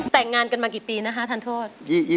แต่งงานกันมากี่ปีนะคะทานโทษ